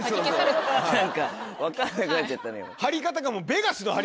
何か分かんなくなっちゃったのよ。